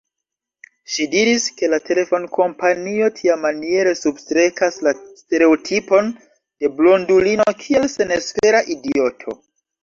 Ŝi diris, ke la telefonkompanio tiamaniere substrekas la stereotipon de blondulino kiel senespera idioto.